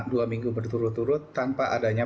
dua minggu berturut turut tanpa adanya